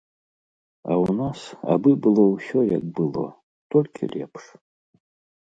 А ў нас абы было ўсё як было, толькі лепш.